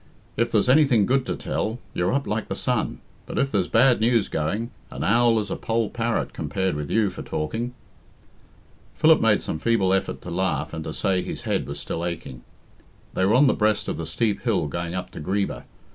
If there's anything good to tell, you're up like the sun; but if there's bad news going, an owl is a poll parrot compared with you for talking." Philip made some feeble effort to laugh, and to say his head was still aching. They were on the breast of the steep hill going up to Greeba.